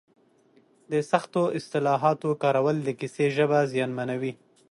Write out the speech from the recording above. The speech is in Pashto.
د سختو اصطلاحاتو کارول د کیسې ژبه زیانمنوي.